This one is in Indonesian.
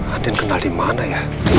andin kenal dimana ya